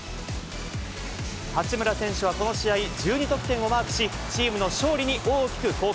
八村選手はこの試合１２得点をマークし、チームの勝利に大きく貢献。